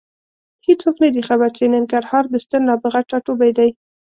هېڅوک نه دي خبر چې ننګرهار د ستر نابغه ټاټوبی دی.